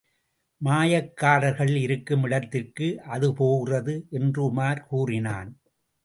மாயக்காரர்கள் இருக்கும் இடத்திற்கு அது போகிறது என்று உமார் கூறினான்.